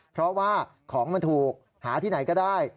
เพราะว่าของมันถูกหาที่ไหนก็ได้